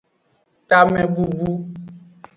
Tamebubu.